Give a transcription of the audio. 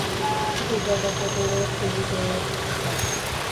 প্রতিটা প্যাকেটে এক কেজি করে ভর।